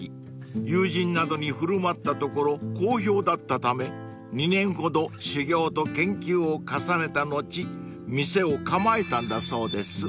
［友人などに振る舞ったところ好評だったため２年ほど修業と研究を重ねた後店を構えたんだそうです］